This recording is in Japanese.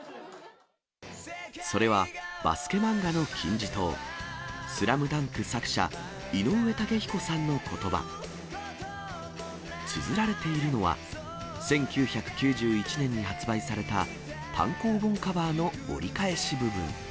それは、バスケ漫画の金字塔、ＳＬＡＭＤＵＮＫ作者、井上雄彦さんのことば。つづられているのは、１９９１年に発売された単行本カバーの折り返し部分。